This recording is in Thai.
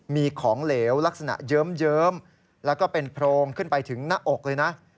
มีของเหลวลักษณะเยิ้มแล้วก็เป็นโพรงขึ้นไปถึงหน้าอกเลยนะ